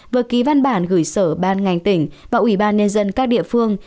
vừa ký văn bản gửi sở ban ngành tỉnh và ubnd các địa phương